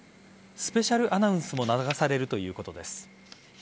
スペシャルアナウンスも流されるということです。